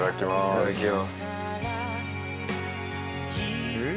いただきます。